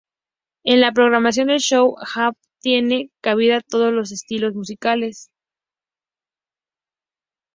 En la programación del Show Hall tienen cabida todos los estilos musicales.